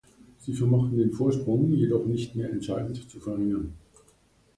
Sie vermochten den Vorsprung jedoch nicht mehr entscheidend zu verringern.